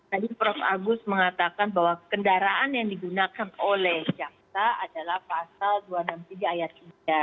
tadi prof agus mengatakan bahwa kendaraan yang digunakan oleh jaksa adalah pasal dua ratus enam puluh tujuh ayat tiga